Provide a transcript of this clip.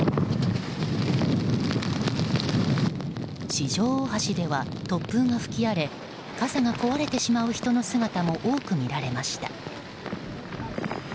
四条大橋では突風が吹き荒れ傘が壊れてしまう人の姿も多く見られました。